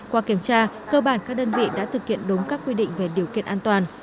qua kiểm tra cơ bản các đơn vị đã thực hiện đúng các quy định về điều kiện an toàn